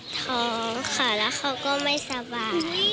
ท้องค่ะแล้วเขาก็ไม่สบาย